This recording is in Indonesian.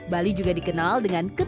bali juga dikenal dengan kepula